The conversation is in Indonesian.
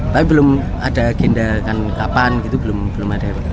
tapi belum ada agenda kan kapan gitu belum ada